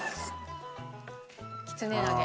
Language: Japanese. きつね揚げ。